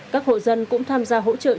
các hộ dân cũng tham gia hỗ trợ chính quyền